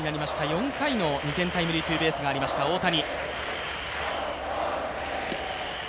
４回の２点タイムリーツーベースがありました大谷。